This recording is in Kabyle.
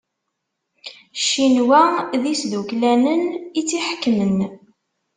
Ccinwa d izduklanen i tt-iḥekmen.